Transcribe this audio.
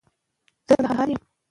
پښتو کېدای سي ذهن ارام کړي.